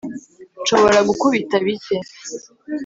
nshobora gukubita bike